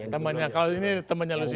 temannya kalau ini temannya lucu